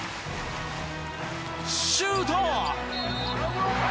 シュート！